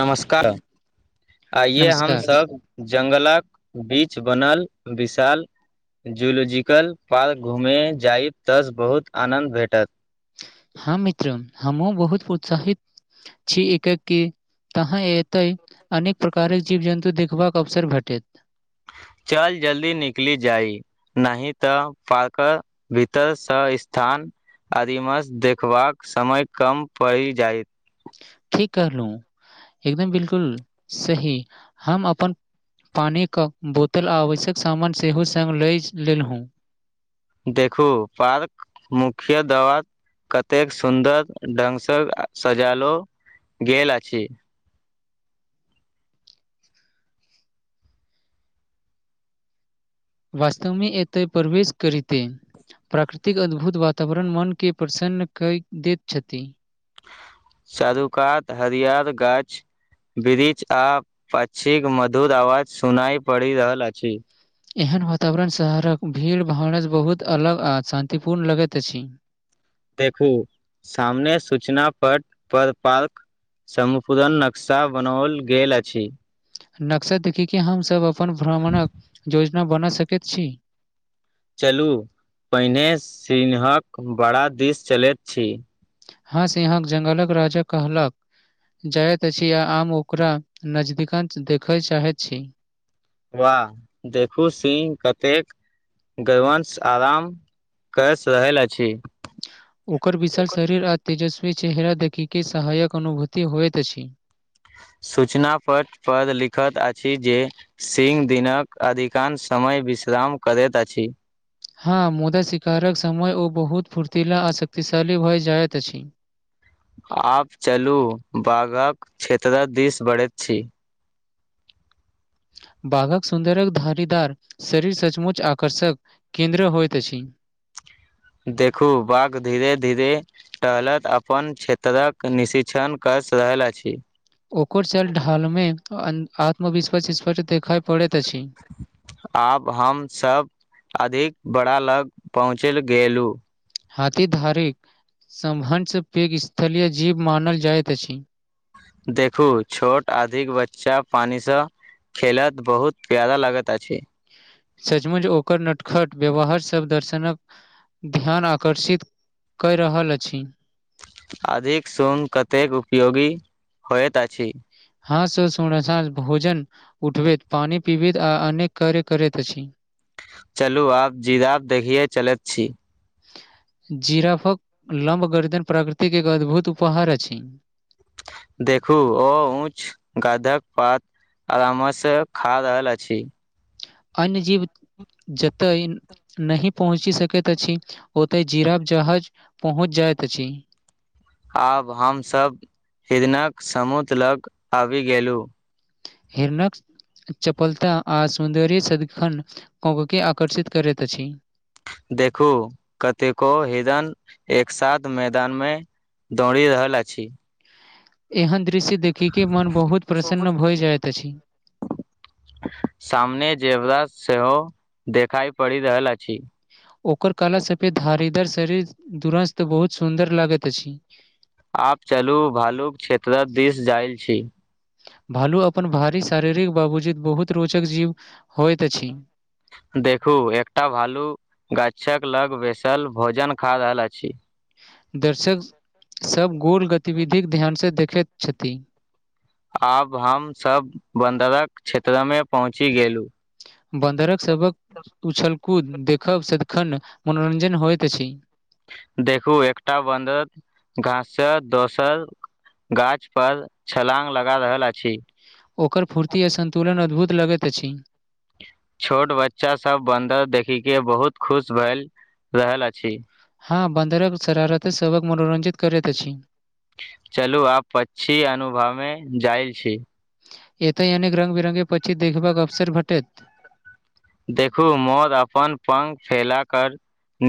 नमस्कार आइये नमस्कार हमसब जंगलक बीच बनल विशाल जूलॉजिकल पार्क घूमे जायब तऽसँ बहुत आनन्द भेटत हँ मित्र हमहुँ बहुत प्रोत्साहित छी एके तहाँ एते अनेक प्रकारक जीव जन्तु देखबाक अवसर भेटत चल जल्दी निकलि जाइ नहि तऽ पारक भीतरसँ स्थान आदिमस देखबाक समय कम पड़ि जायत ठीक करलूं एकदम बिलकुल सही हम अपन पानीके बोतल आ आवश्यक सामान सेहो संग लए लेलहुँ देखू पार्क मुख्य दवा कतेक सुन्दर ढंगसँ सजेलो गेल अछि वस्तवमे एतय प्रवेश करिते प्राकृतिक अद्भुत वातावरण मनके प्रसन्न कए दैत छथि चारू कात हरियर गाछ वृच आ पकछीक मधुर आवाज सुनाइ पड़ि रहल अछि एहन वातावरण शहरक भीड़ भाड़स बहुत अलग आ शान्तिपूर्ण लगैत अछि देखू सामने सूचना पट पर पार्क समपूदन नक्शा बनाओल गेल अछि नक्सा देखी के हमसभ अपन भ्रमणक योजना बना सकैत छी चलू पहिने सिन्हक बड़ा दिस चलैत छी हँ सिंघक जङ्गलक राजा कहलक जाइत अछि आ हम ओकरा नजदीकन सँ देखय चाहैत छी वाह देखू सिंह कतेक गरवंश आराम केस रहल अछि ओकर विशाल शरीर आ तेजस्वी चेहरा देखिके सहायक अनुभूति होइत अछि सूचना पत्रपर लिखैत अछि जे सिंह दिनक अधिकांश समय विश्राम करैत अछि हँ मुदा शिकारक समय ओ बहुत फुर्तला आ शक्तिशाली भए जाइत अछि आब चलू बाघक क्षेत्रक दिस बढ़ैत छी बाघक सुन्दरक धारीदार शरीर सचमुच आकर्षक केन्द्र होइत अछि देखू बाघ धीरे धीरे टहलत अपन क्षेत्रक निशिक्षण कऽ रहल अछि ओकर चल ढालमे आत्मविश्वास विफट देखय पड़ैत अछि आब हम सब अधिक बड़ा लग पहुँचल गेलु हथीधारीक समभसँ पैघ स्थलीय जीव मानल जाइत अछि देखू छोट अधिक बच्चा पानिसँ खेलत बहुत प्यादा लागत अछि सचमुच ओकर नटखट व्यवहार सब दर्शनक ध्यान आकर्षित क रहल अछि अधिक सू्ग कतेक उपयोगी होइत अछि हँ स सु भोजन उठबैत पानि पीबैत आ अनेक कार्य करैत अछि चलू आब जिरापमदेखियए चलैत छी जीरफक लम्ब गर्दन प्रकृतिक एक अद्भुत उपहार अछि देखू ओ उच गाधक पात आराम से खा रहल अछि अन्य जीव जतय नहि पहुँच सकैत अछि ओतय जीराब जहाज पहुँच जाय छी आब हमसभ हृदनक समूत लग आबि गेलहुँ हेरनोक् चपलता आ सौन्दर्य सदखन क के आकर्षित करैत अछि देखू कतेको हिरण एक साथ मैदान में दौड़ रहल अछी एहन दृश्य देखिके मन बहुत प्रसन्न भइ जाइत अछि सामने जेबला सेहो देखाइ पड़ि रहल अछि ओकर कला सफेद धारीदर शरीर दुरस्त बहुत सुन्दर लागैत अछि आब चलू भालूक क्षेत्रक दिस जायल छी भालू अपन भारी शारीरिक बाबजूद बहुत रोचक जीव होइत अछि देखू एकटा भालू गाछक लग बसल भोजन खा रहल अछि दर्शक सभ गूढ़ गतिविधिक ध्यानसँ देखैत छथि आब हमसभ बन्दरक क्षेत्रमे पहुँचि गेलहुँ बन्दरक सभक उछलकूद देखब सदखन मनोरञ्जन होइत अछि देखू एकटा बन्दर घाससँ दोसर गाछ पर छलाङ्ग लगा रहल अछि ओकर फुर्ति आ सन्तुलन अद्भुत लगैत अछी छोट बच्चासभ बन्दर देखिक के बहुत खुश भए रहल अछि हँ बन्दरक सरारत सक मनोरञजित करैत छी चलू आब पक्षी अनुभव में जायल छी एतय अनेक रंग बिरंगे पंछी देखबाक अवसर भटेैत देखू मोर अपन पङ्ख फैलाक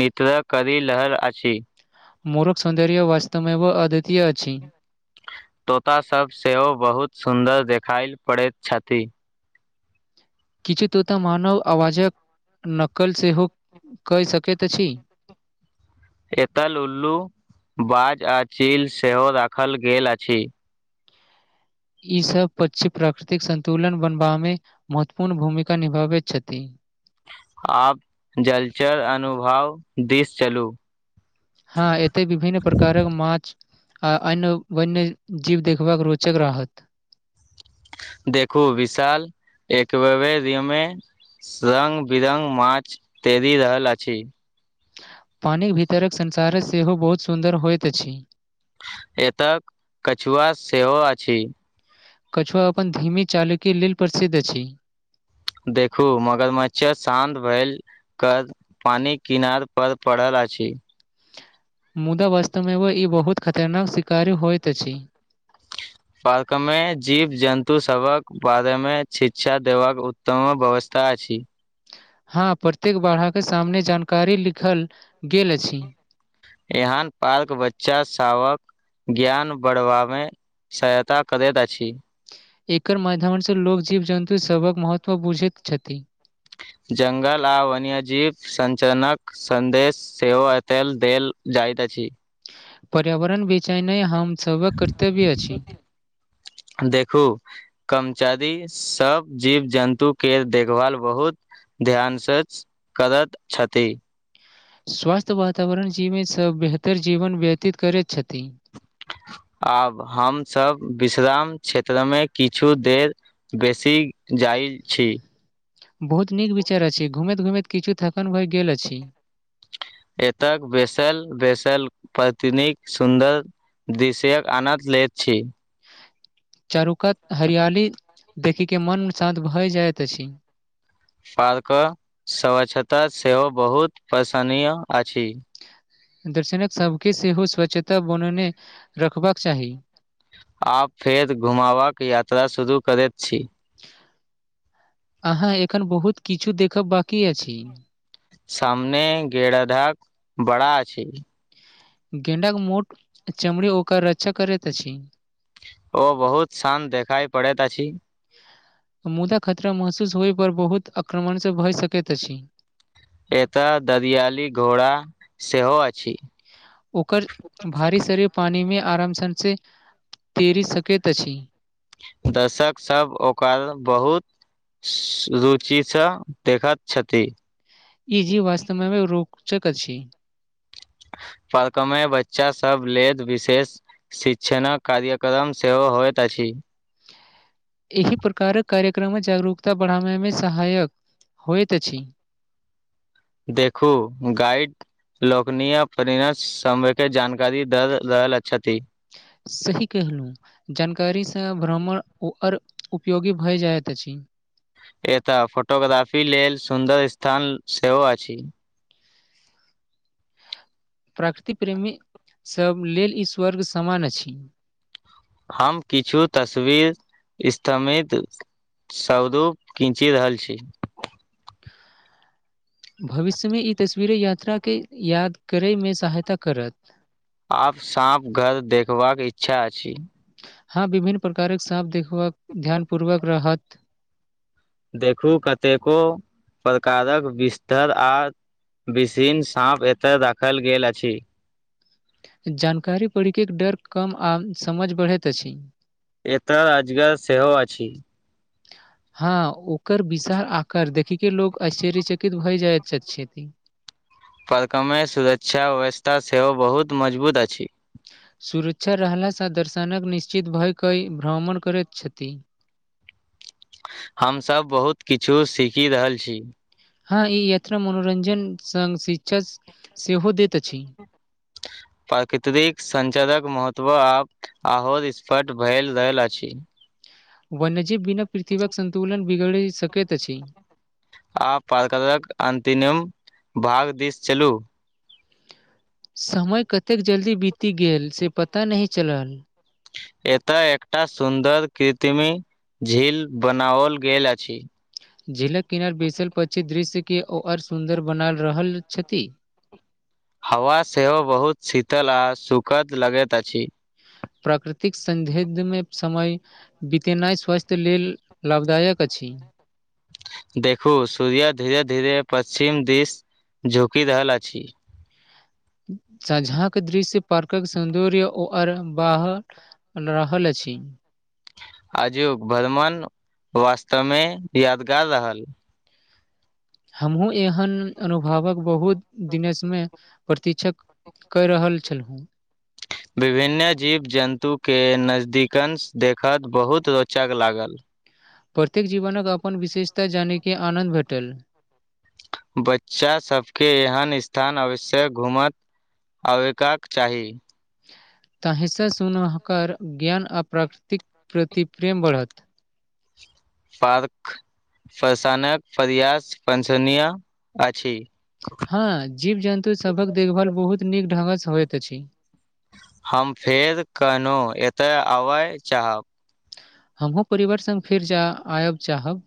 निित्र करि रहल अछि मुरुख सौन्दर्य वास्तव अद्वितय अछि तोतासभ सेहो बहुत सुन्दर देखएल पड़ैत छथि किछु तोताऽ मानव आवाजक नकल सेहो कऽ सकैत अछि एतै लल्लू बाज आ चील से हो राखल गेल अछी ई सब पचम प्राकृतिक संतुलन बनबा में महत्वपूर्ण भूमिका निभाबै छथि आब जल चर अनुभव दिस चलू हाँ एते विभन्न प्रकारक माछ आ अन्य वन्य जीव देखबाक रोचक रहत देखू विशाल एक बे बे रमें संङ्ग बिरङ्ग मारछ तैरि रहल अछि पानिक भीतरक संसार सेहो बहुत सुन्दर होइत अछि एतऽ कछुआ सेहो अछि कछुआ अपन धीमी चाल के लेल प्रसिद्ध अछी देखू मगर मच्छर शान्त भैल कद पानि किनार पर पड़ल अछि मुदा वास्तव मे एगो ई बहुत खतरनाक शिकारी होइत अछि पार्क में जीव जन्तु सभक बारे में शिक्षा देबाक उत्तम व्यवस्था अछि हाँ प्रत्येक बारह के सामने जानकारी लिखल गेल अछि एहन पार्क बच्चा शावक ज्ञान बढ़बा में सहायता करैत अछि एकर माध्यम सँ लोक जीव जन्तु सभक महत्व बुझैत छथिन जङ्गल आ वन्यजीव सञ्चालनक सन्देश से ओ एत देेल जाइतइत छी पर्यावरण विचैन में नहि हम सभक कर्तव्य अछि छी देखु कर्मचारी सब जीव जन्तु के देख भाल बहुत ध्यान सच करत छथि स्वास्थ्य वातावरण जी मे सब बेहतर जीवन व्यतीत करैत छथिन आब हम सभ विश्राम क्षेत्र में किछु देर बेसी जाई छी बहुत नीक विचार अछि घुमैत घुमैत किछु थकन भए गेल अछि एतय बैसल बैसल पत्नी कऽ सुन्दर दिशयक आनन्द लैत छी चारुकत हरियाली देखै के मन शान्त भए जाइत अछि पार्क स्वछता सेहो बहुत पसानीय अछि दर्शनक सभके सेहो स्वच्छता बनेने रखबाक चाही आब फेर घुमाबाक यात्रा शुरू करैत छी अहाँ एखन बहुत किछु देखब बाकि आछी सामने गेड़ेडाक बड़ा अछि गेंडाक मोट चमड़े ओकर रक्षा करैत अछि ओ बहुत शान्त देखाई पड़ैत अछि मुदा खतरा महसूस होइ पर बहुत आक्रमण से भए सकैत अछि एत ददियाली घोड़ा सेहो अछि ओकर भारी सरीे पानी मे आरम सन से तैरी सकैत अछि दशक सब ओकर बहुत रुचिसँ देखैत छथि ईजीव वास्तव में रुप कचक अछी परक मे बच्चा सब लेद विशेष शिछन कार्यक्रम सेहो होइत अछि एहि प्रकार कार्यक्रम जागरूकता बढ़ाब मे सहायक होयत अछि देखू गइड लोकनि अपनासभके जानकारी दऽ रहल छथि। सही कहलहुँ। जानकारीसँ भ्रमण उपयोगी भऽ जाइत अछि। एतय फोटोग्राफी लेल सुन्दर स्थान सेहो अछि। प्रकृति प्रेमीसभ लेल ई स्वर्ग समान अछि। हम किछु तस्वीर अस्मित सदो किछु कीनि रहल छी। भविष्यमे ई तस्वीरे यात्राके याद करयमे सहायता करत। आब साँपघर देखबाक इच्छा अछी। हँ, विभिन्न प्रकारक साँप देखबाक, ध्यानपूर्वक रहत। देखू, कतेको प्रकारक बिस्तर आ विभिन्न साँप एतऽ देखाओल गेल अछि। जानकारी पढ़िकऽ डर कम आ समझ बढ़ैत अछि। एतऽ रोजगार सेहो अछि। हँ, ओकर विशाल आकार देखिकऽ लोक आश्चर्यचकित भऽ जाइत छथि। परिसरमे सुरक्षा व्यवस्था सेहो बहुत मजबूत अछि। सुरक्षा रहलासँ दर्शनक निश्चिन्त भऽ कऽ भ्रमण करैत छथि। हमसभ बहुत किछु सीखि रहल छी। हँ, ई यात्रा मनोरंजन संग शिक्षा सेहो दैत अछि। ह। प्राकृतिक संरक्षणक महत्त्व आब आओर स्पष्ट भऽ रहल अछि। वन्यजीव बिना पृथ्वीक सन्तुलन बिगड़ि सकैत अछि। आओ, पाठकक अन्तिम भाग दिस चलू। समय कतेक जल्दी बीति गेल, से पता नहि चलल। एतय एकटा सुन्दर कृत्रिम झील बनाओल गेल अछि। झीलक किनार बैसलापछि दृश्यके आओर सुन्दर बना रहल अछि। हवा सेहो बहुत शीतल आ सुखद लगैत अछि। प्राकृतिक सान्निध्यमे समय। बितेनाइ स्वास्थ्य लेल लाभदायक अछि। देखू, सूर्य धीरे धीरे पश्चिम दिस झुकि रहल अछि। साँझक दृश्य प्रकृतिक सौन्दर्य। ओ आओर बाहर रहल अछि। आजुक भ्रमण वास्तवमे यादगार रहल। हमहूँ एहन अनुभवक बहुत दिनसँ प्रतीक्षा कऽ रहल छलहुँ। विभिन्न जीव जन्तुके नजदीकसँ देखब बहुत रोचक लागल। प्रत्येक जीवक अपन विशेषता जानबाक आनन्द भेटल। बच्चासभके एहन स्थान अवश्य घुमय आबयक चाही। ताहिसँ हुनकर ज्ञान आ प्रकृतिक प्रति प्रेम बढ़त। पार्क। प्रशासनक प्रयास प्रशंसनीय अछि। हँ, जीव जन्तुसभक देखभाल बहुत नीक ढंगसँ होइत अछि। हम फेर कखनहुँ एतय आबय चाहब। हमहुँ परिवारसँगे फेर जा आयब चाहब।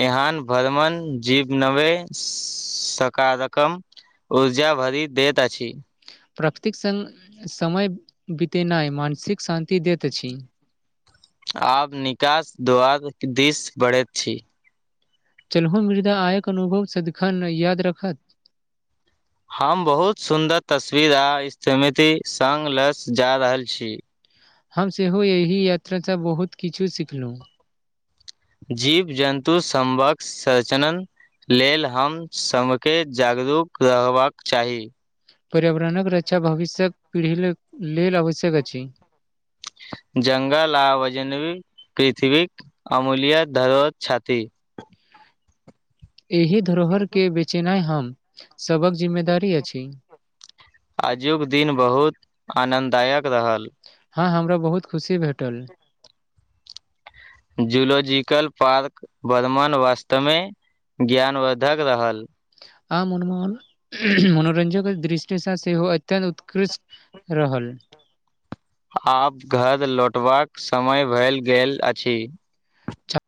ईहाँ भ्रमण जीव नव्हे सकारात्मक। ऊर्जा भरि दैत अछि। प्रकृतिक संग समय बितेनाइ मानसिक शान्ति दैत अछि। आब निकास द्वारक दिस बढ़ैत छी। चलू, ई मधुर अनुभव सदिखन याद रहत। हम बहुत सुन्दर तस्वीर आ स्मृतिसँग लऽ जा रहल छी। हम सेहो एहि यात्रा से बहुत किछु सिखलौ जीव जन्तु समबक सजनन लेल हम समके जागरूक रहबाक चाही पर्यावरणक रक्षा भविष्यक पीढ़ी ले लेल आवश्यक अछि जंगल आ बजनबी पृथ्वीक अमूल्य धरोहर छथी एहि धरोहर के बेचेनाय हम सबक जिम्मेदारी अछि आजुक दिन बहुत आनन्ददायक रहल हँ हमरा बहुत खुशी भेटल जूलॉजिकल पार्क बर्धमान वास्तवमे ज्ञानवर्द्धक रहल आ मनोमोहन मनोरंञ्जनक दृष्टिसँ सेहो अत्यन्त उत्कृष्ट रहल आब घर लौटबाक समय भेल गेल अछि